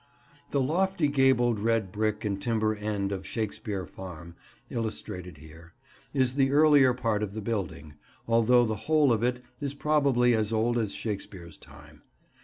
The lofty gabled red brick and timber end of Shakespeare Farm, illustrated here, is the earlier part of the building, although the whole of it is probably as old as Shakespeare's time.